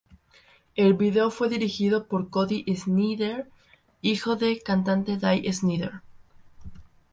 El video fue dirigido por Cody Snider, hijo del cantante Dee Snider.